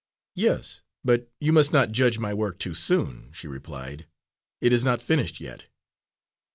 '_" "Yes, but you must not judge my work too soon," she replied. "It is not finished yet."